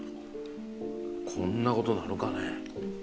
こんなことなるかね？